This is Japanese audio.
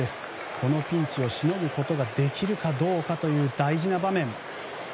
このピンチをしのぐことができるかどうかという大事な場面。